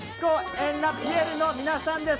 ・エン・ラ・ピエルの皆さんです。